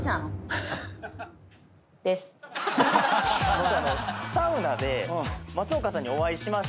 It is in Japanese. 「僕サウナで松岡さんにお会いしまして」